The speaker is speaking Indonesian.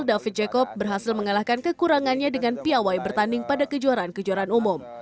david jacob berhasil mengalahkan kekurangannya dengan piawai bertanding pada kejuaraan kejuaraan umum